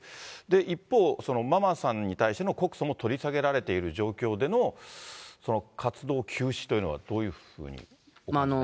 一方、そのママさんに対しての告訴も取り下げられている状況での活動休止というのは、どういうふうにお考えでしょうか。